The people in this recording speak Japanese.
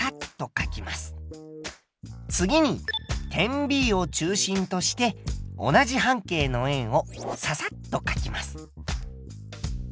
次に点Ｂを中心として同じ半径の円をササッとかきます。